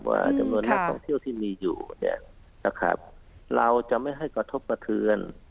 ว่าจำนวนนักท่องเที่ยวที่มีอยู่เนี่ยนะครับเราจะไม่ให้กระทบกระเทือน